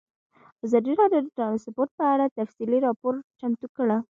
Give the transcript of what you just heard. ازادي راډیو د ترانسپورټ په اړه تفصیلي راپور چمتو کړی.